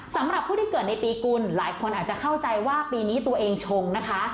สำหรับผู้ที่เกิดในปีกุลหลายคนอาจจะเข้าใจว่าปีนี้ตัวเองชงนะคะ